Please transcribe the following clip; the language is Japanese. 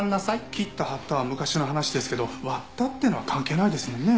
切った張ったは昔の話ですけど割ったっていうのは関係ないですもんね。